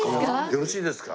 よろしいですか？